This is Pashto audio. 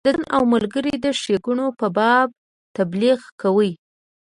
د ځان او ملګرو د ښیګڼو په باب تبلیغ کوي.